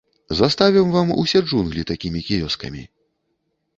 Заставім вам усе джунглі такімі кіёскамі.